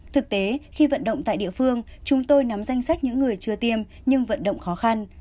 thực tế khi vận động tại địa phương chúng tôi nắm danh sách những người chưa tiêm nhưng vận động khó khăn